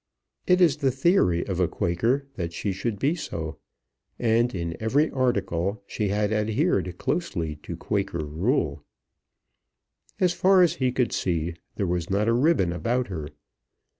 It is the theory of a Quaker that she should be so, and in every article she had adhered closely to Quaker rule. As far as he could see there was not a ribbon about her.